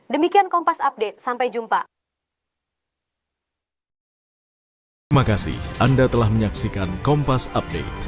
demikian kompas update sampai jumpa